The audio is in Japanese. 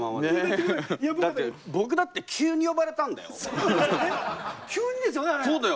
だって僕だって急に呼ばれたんだよ？